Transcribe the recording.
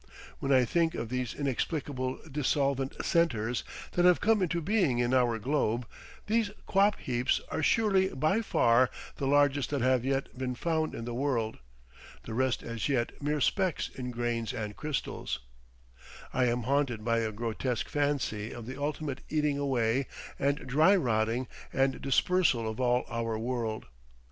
When I think of these inexplicable dissolvent centres that have come into being in our globe—these quap heaps are surely by far the largest that have yet been found in the world; the rest as yet mere specks in grains and crystals—I am haunted by a grotesque fancy of the ultimate eating away and dry rotting and dispersal of all our world.